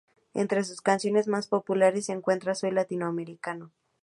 Entre sus canciones más populares se encuentra "Soy latinoamericano".